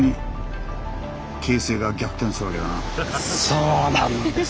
そうなんです！